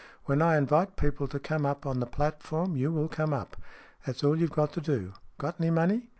When I invite people to come up on the platform, you will come up. That's all you've got to do. Got any money